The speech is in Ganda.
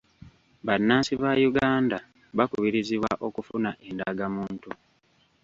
Bannansi ba Uganda bakubirizibwa okufuna endagamuntu.